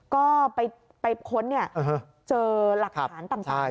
ก็ไปค้นเจอหลักฐานตำรวจด้วย